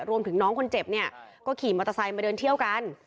รวมถึงน้องคนเจ็บเนี่ยก็ขี่มอเตอร์ไซค์มาเดินเที่ยวกัน